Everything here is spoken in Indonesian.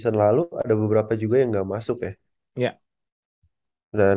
season lalu ada beberapa juga yang puyken other season lalu ada beberapa juga yang